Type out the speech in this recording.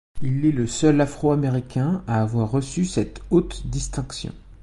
Il est le seul Afro-Américain à avoir reçu cette haute distinction.